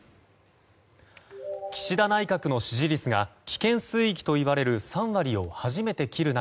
岸田内閣の支持率が危険水域といわれる３割を初めて切る中